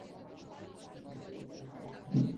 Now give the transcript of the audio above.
তাদেরকে তুমি চেনো?